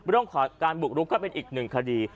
เรื่องของการบุกรุกก็เป็นอีกหนึ่งคดี